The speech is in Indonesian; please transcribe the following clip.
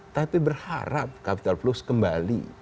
tapi berharap capital flows kembali